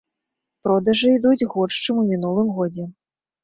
Продажы ідуць горш, чым у мінулым годзе.